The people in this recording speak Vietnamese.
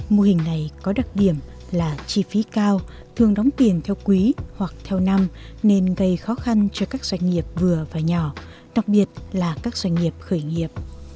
mô hình này có đặc điểm là chi phí cao thường đóng tiền theo quý hoặc theo năm nên gây khó khăn cho các doanh nghiệp vừa và nhỏ đặc biệt là các doanh nghiệp khởi nghiệp